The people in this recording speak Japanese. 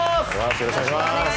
よろしくお願いします。